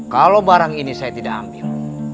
kalau barang ini saya tidak ambil